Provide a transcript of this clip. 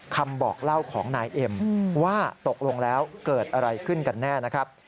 คำบอกเล่าของนายเอ็มว่าตกลงแล้วเกิดอะไรขึ้นกันแน่นะครับ